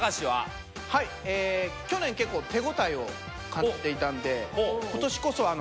はい去年結構手応えを感じていたんで今年こそ。